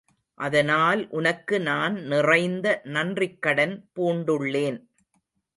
அதனால் உனக்கு நான் நிறைந்த நன்றிக்கடன் பூண்டுள்ளேன்.